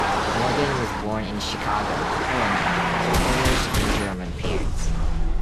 Morgan was born in Chicago, Illinois, to Polish and German parents.